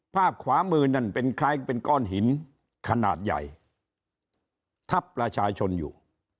ภาพขวามือนั่นเป็นคล้ายเป็นก้อนหินขนาดใหญ่ทับประชาชนอยู่